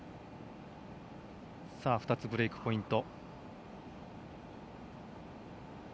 ２つ、ブレークポイント。